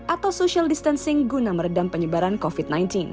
atau social distancing guna meredam penyebaran covid sembilan belas